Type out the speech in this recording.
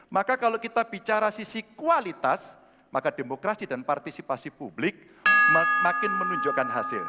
maka kalau kita bicara sisi kualitas maka demokrasi dan partisipasi publik makin menunjukkan hasil